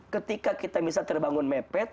ketika kita bisa terbangun mepet